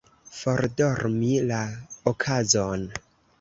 Fordormi la okazon.